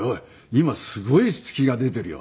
今すごい月が出てるよ」